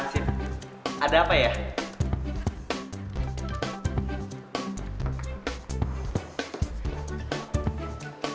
sini bapak mau bawa gue